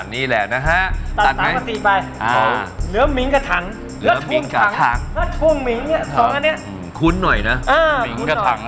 อ๋อนี่แหละนะฮะตัดต่างกับสี่ไปอ๋อเหลือมิงกับถัง